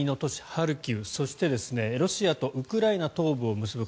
ハルキウそしてロシアとウクライナ東部を結ぶ